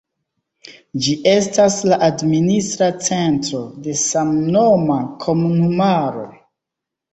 Ĝi estas la administra centro de samnoma komunumaro.